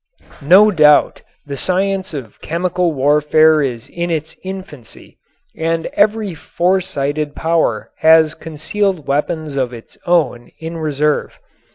No doubt the science of chemical warfare is in its infancy and every foresighted power has concealed weapons of its own in reserve.